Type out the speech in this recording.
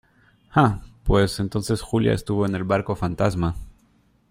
¡ ah! pues entonces Julia estuvo en el barco fantasma